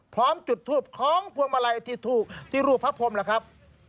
พร้อมจุดทูปของพวงมาลัยที่ถูกที่รูปพระพรมล่ะครับ